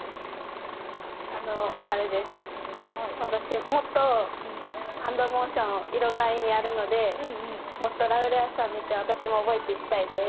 私もっとハンドモーションいろんな意味あるのでもっとラウレアさんを見て私も覚えていきたいです。